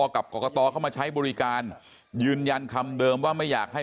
กับกรกตเข้ามาใช้บริการยืนยันคำเดิมว่าไม่อยากให้